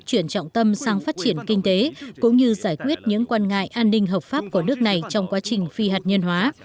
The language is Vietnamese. chuyển trọng tâm sang phát triển kinh tế cũng như giải quyết những quan ngại an ninh hợp pháp của nước này trong quá trình phi hạt nhân hóa